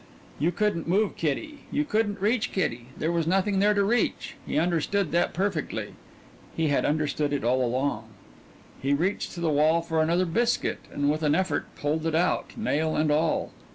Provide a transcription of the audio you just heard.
You couldn't move Kitty; you couldn't reach Kitty. There was nothing there to reach. He understood that perfectly he had understood it all along. He reached to the wall for another biscuit and with an effort pulled it out, nail and all.